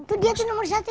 tuh dia tuh nomor satu